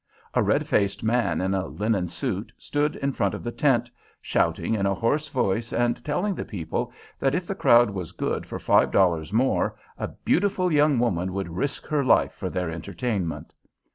A red faced man in a linen suit stood in front of the tent, shouting in a hoarse voice and telling the people that if the crowd was good for five dollars more, a beautiful young woman would risk her life for their entertainment.